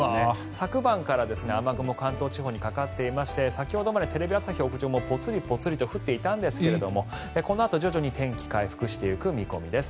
昨晩から雨雲が関東地方にかかっていまして先ほどまでテレビ朝日屋上もぽつりぽつりと降っていたんですがこのあと徐々に天気、回復していく見込みです。